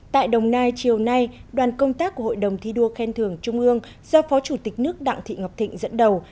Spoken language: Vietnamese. tại đồng nai chiều nay đoàn công tác của hội đồng thi đua khen thưởng trung ương do phó chủ tịch nước đặng thị ngọc thịnh dẫn đầu